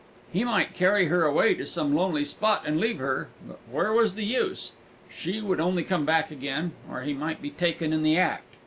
He might carry her away to some lonely spot and leave her, but where was the use? She would only come back again; or he might be taken in the act.